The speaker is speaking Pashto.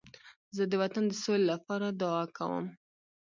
زه د وطن د سولې لپاره دعا کوم.